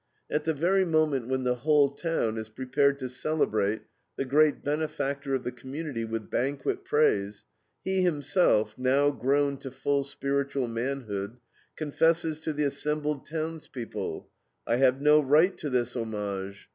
At the very moment when the whole town is prepared to celebrate the great benefactor of the community with banquet praise, he himself, now grown to full spiritual manhood, confesses to the assembled townspeople: "I have no right to this homage